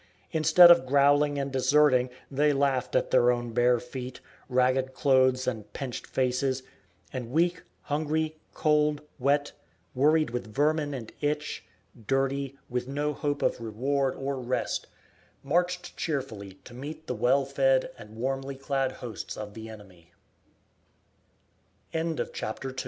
Instead of growling and deserting, they laughed at their own bare feet, ragged clothes and pinched faces; and weak, hungry, cold, wet, worried with vermin and itch, dirty, with no hope of reward or rest, marched cheerfully to meet the well fed and warmly clad host